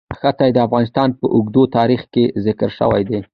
ښتې د افغانستان په اوږده تاریخ کې ذکر شوی دی.